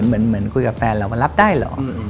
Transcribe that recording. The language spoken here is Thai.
เหมือนคุยกับแฟนเราว่ารับได้เหรอ